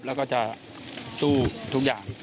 แล้วก็จะสู้ทุกอย่าง